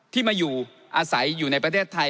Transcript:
ที่มาอยู่อาศัยอยู่ในประเทศไทย